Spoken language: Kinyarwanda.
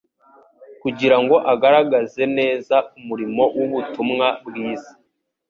kugira ngo agaragaze neza umurimo w'ubutumwa bwiza.